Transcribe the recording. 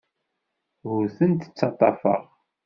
Ur tent-ttaḍḍafeɣ.